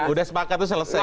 sudah sepakat itu selesai